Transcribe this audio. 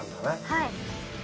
はい。